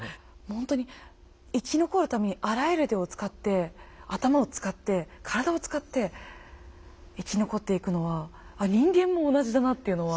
ほんとに生き残るためにあらゆる手を使って頭を使って体を使って生き残っていくのはあっ人間も同じだなっていうのは。